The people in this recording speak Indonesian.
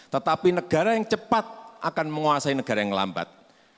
tetapi negara yang cepat akan menguasai negara yang lambat